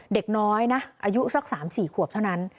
เด็กน้อยอายุสักสามสี่ขวบเท่านั้น